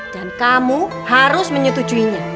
dan kamu harus menyetujuinya